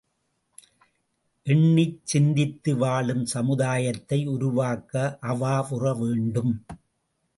எண்ணிச் சிந்தித்து வாழும் சமுதாயத்தை உருவாக்க அவாவுறவேண்டும்.